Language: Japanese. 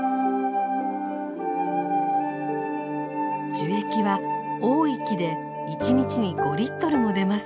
樹液は多い木で１日に５も出ます。